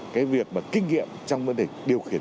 cái việc mà kinh nghiệm trong vấn đề điều khiển